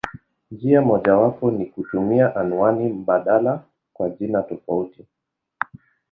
Njia mojawapo ni kutumia anwani mbadala kwa jina tofauti.